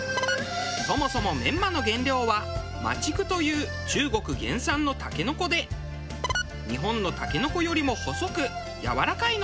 そもそもメンマの原料はマチクという中国原産のタケノコで日本のタケノコよりも細くやわらかいのが特徴。